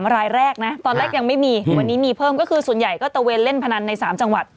รายแรกนะตอนแรกยังไม่มีวันนี้มีเพิ่มก็คือส่วนใหญ่ก็ตะเวนเล่นพนันใน๓จังหวัด